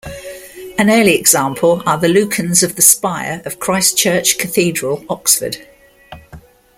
An early example are the lucarnes of the spire of Christ Church Cathedral, Oxford.